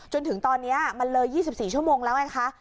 จนถึงตอนนี้มันเลย๒๔ชั่วโมงแล้วไงคะ